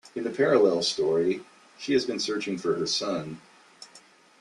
In a parallel story, she has been searching for her son.